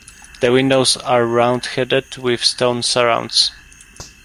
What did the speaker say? The windows are round-headed with stone surrounds.